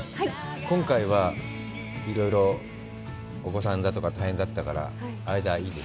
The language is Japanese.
今回はいろいろ、お子さんだとか、大変だから、いいです。